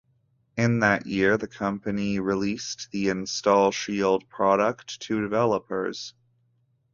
In that year the company released the InstallShield product to developers.